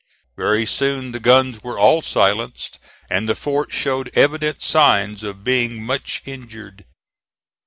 Very soon the guns were all silenced, and the fort showed evident signs of being much injured.